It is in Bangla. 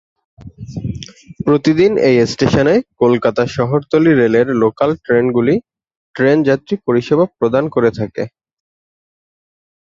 প্রতিদিন এই স্টেশনে কলকাতা শহরতলি রেলের লোকাল ট্রেনগুলি ট্রেন যাত্রী পরিষেবা প্রদান করে থাকে।